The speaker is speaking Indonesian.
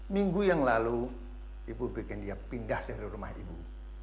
minggu yang lalu ibu bikin dia pindah dari rumah ibu